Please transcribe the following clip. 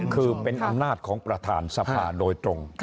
คือเป็นอำนาจของประธานสภาโดยตรง